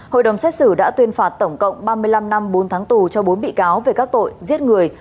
hội đồng xét xử đã tuyên phạt tổng cộng ba mươi năm năm bốn tháng tù cho bốn bị cáo về các tội giết người